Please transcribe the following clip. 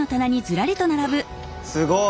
すごい！